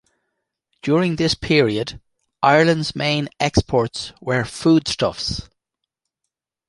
During this period, Ireland's main exports were foodstuffs.